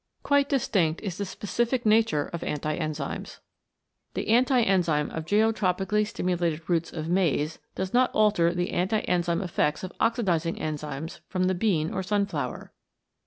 Quite distinct is the specific nature of anti enzymes. The anti enzyme of geotropically stimulated roots of maize does not alter the anti enzyme effects, of oxidising enzymes from the bean or sunflower.